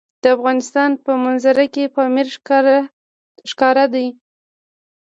د افغانستان په منظره کې پامیر ښکاره ده.